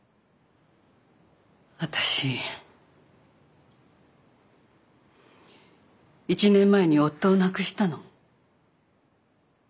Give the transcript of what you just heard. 私１年前に夫を亡くしたの。